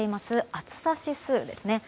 暑さ指数ですね。